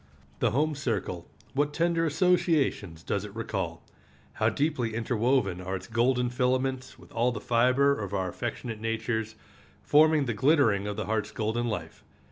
The home circle, what tender associations does it recall! How deeply interwoven are its golden filaments with all the fiber of our affectionate natures, forming the glittering of the heart's golden life!